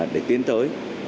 để tiến tới